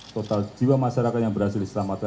total jiwa masyarakat yang berhasil diselamatkan